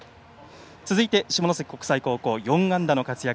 続いて、下関国際高校４安打の活躍